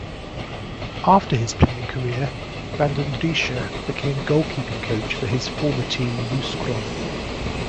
After his playing career, Vandendriessche became goalkeeping coach for his former team Mouscron.